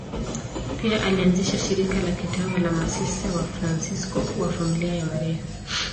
Pia alianzisha shirika la kitawa la Masista Wafransisko wa Familia ya Maria.